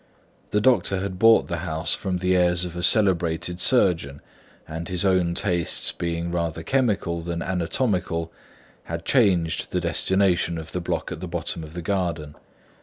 The doctor had bought the house from the heirs of a celebrated surgeon; and his own tastes being rather chemical than anatomical, had changed the destination of the block at the bottom of the garden.